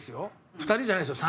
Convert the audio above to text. ２人じゃないですよ